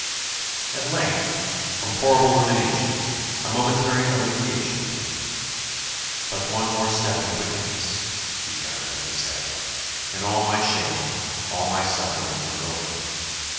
At length, from horrible rumination, a momentary alleviation came: "but one more step in wickedness," she triumphantly said, "and all my shame, all my sufferings are over."